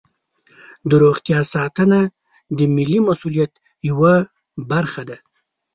د روغتیا ساتنه د ملي مسؤلیت یوه برخه ده.